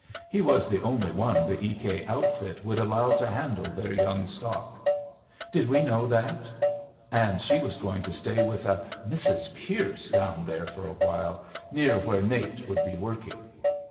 He was the only one the E. K. outfit would allow to handle their young stock. Did we know that? And she was going to stay with a Mrs. Pierce down there for a while, near where Nate would be working.